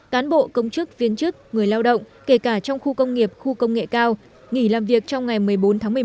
cán bộ công chức viên chức người lao động kể cả trong khu công nghiệp khu công nghệ cao nghỉ làm việc trong ngày một mươi bốn tháng một mươi một